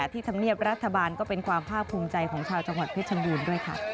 ธรรมเนียบรัฐบาลก็เป็นความภาคภูมิใจของชาวจังหวัดเพชรบูรณ์ด้วยค่ะ